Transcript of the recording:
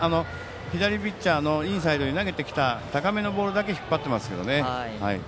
左ピッチャーのインサイドに投げてきた高めのボールだけ引っ張っていますね。